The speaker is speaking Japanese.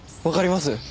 わかります？